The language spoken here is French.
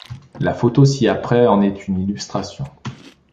La photo ci-après en est une illustration.